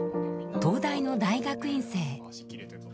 東大の大学院生。